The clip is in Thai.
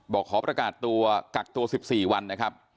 ขอประกาศตัวกักตัว๑๔วันนะครับ